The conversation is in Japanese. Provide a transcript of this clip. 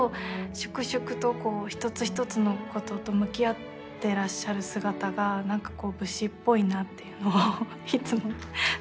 粛々と一つ一つのことと向き合ってらっしゃる姿が何かこう武士っぽいなっていうのをいつも感じています。